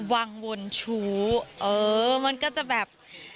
วังวนชู้เออมันก็จะแบบ